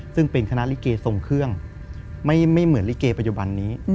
ซึ่งเป็นคณะลิเกทรงเครื่องไม่เหมือนลิเกปัจจุบันนี้